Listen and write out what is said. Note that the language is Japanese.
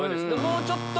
もうちょっと。